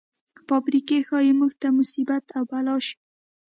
فابریکې ښايي موږ ته مصیبت او بلا شي.